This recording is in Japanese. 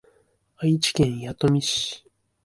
愛知県弥富市